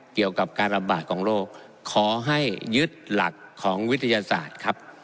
เกี่ยวกับการระบาดของโรคขอให้ยึดหลักของวิทยาศาสตร์ครับ